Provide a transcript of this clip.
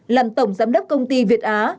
làm tổng giám đốc công ty việt á